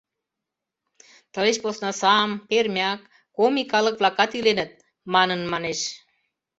Тылеч посна саам, пермяк, коми калык-влакат иленыт, манын манеш.